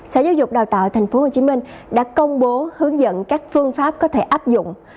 sở giáo dục đào tạo tp hcm đã công bố hướng dẫn các phương pháp có thể áp dụng